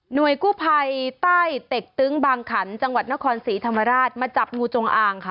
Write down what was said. โดยกู้ภัยใต้เต็กตึงบางขันจังหวัดนครศรีธรรมราชมาจับงูจงอางค่ะ